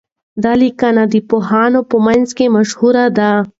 دا لیکنه د پوهانو په منځ کي مشهوره ده.